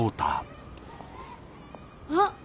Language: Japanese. あっ！